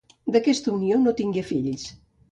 D'aquesta unió no tingué fills.